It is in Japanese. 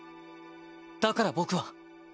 だから僕は。